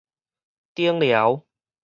頂寮